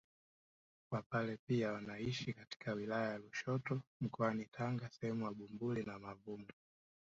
Wapare pia wanaishi katika wilaya ya Lushoto mkoani Tanga sehemu za Bumbuli na Mavumo